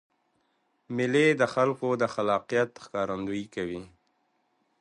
مېلې د خلکو د خلاقیت ښکارندویي کوي.